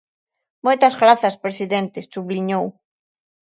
"Moitas grazas, presidente", subliñou.